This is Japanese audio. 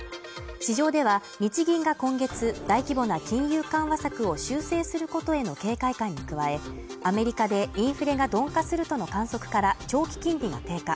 市場では日銀が今月、大規模な金融緩和策を修正することへの警戒感に加え、アメリカでインフレが鈍化するとの観測から長期金利が低下。